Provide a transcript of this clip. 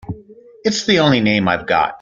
It's the only name I've got.